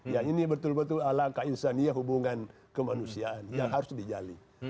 yang ini betul betul alangkah insania hubungan kemanusiaan yang harus dijali